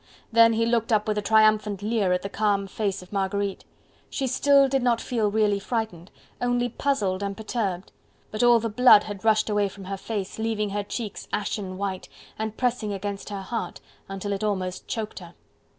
Then he looked up with a triumphant leer at the calm face of Marguerite. She still did not feel really frightened, only puzzled and perturbed; but all the blood had rushed away from her face, leaving her cheeks ashen white, and pressing against her heart, until it almost choked her.